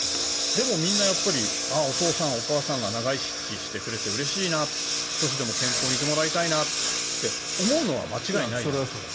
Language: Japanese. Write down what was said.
でもみんなお父さん、お母さんが長生きしてくれてうれしいな、少しでも健康でいてもらいたいなって思うのは間違いないですから。